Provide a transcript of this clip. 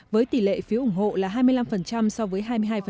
với tỷ lệ phiếu ủng hộ là hai mươi năm so với hai mươi hai